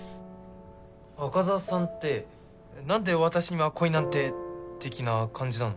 赤座さんって何で「私には恋なんて」的な感じなの？